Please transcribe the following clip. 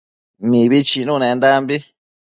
Mibi chinunendambi